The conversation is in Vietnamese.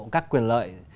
các quyền lợi